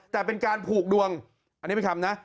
แต่เป็นการผูกดวงอันนี้เป็นคำนะ